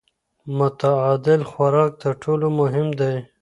متعادل خوراک تر ټولو مهم دی.